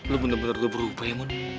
lo bener bener berupa ya mon